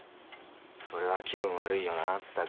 それは気分悪いよなあったく。